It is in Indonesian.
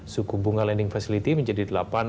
suku bunga lending facility menjadi delapan